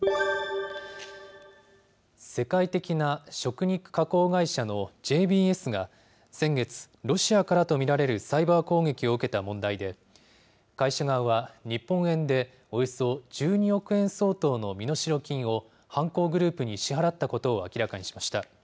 世界的な食肉加工会社のＪＢＳが、先月、ロシアからと見られるサイバー攻撃を受けた問題で、会社側は、日本円でおよそ１２億円相当の身代金を、犯行グループに支払ったことを明らかにしました。